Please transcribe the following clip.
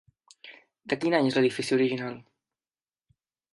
De quin any és l'edifici original?